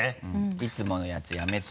いつものやつやめて。